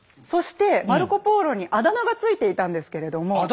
そしてマルコ・ポーロにあだ名が付いていたんですけれども。